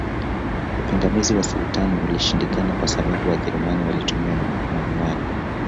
Upingamizi wa Sultani ulishindikana kwa sababu Wajerumani walituma manuwari